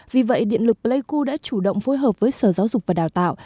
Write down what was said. vì vậy điện lực pleiku đã chủ động phối hợp với sở giáo dục và đào tạo